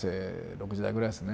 ６０代ぐらいですね